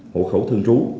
hộ khẩu thường trú